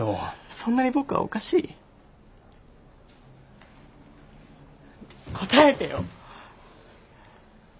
そんなに僕はおかしい？答えてよ！